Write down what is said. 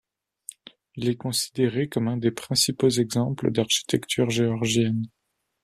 Il est considéré comme un des principaux exemples d'architecture georgienne.